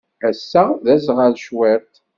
Ass-a, d aẓɣal cwiṭ.